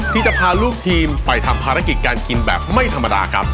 ที่จะพาลูกทีมไปทำภารกิจการกินแบบไม่ธรรมดาครับ